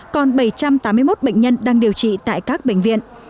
còn bảy trăm tám mươi một bệnh nhân đang điều trị tại các bệnh viện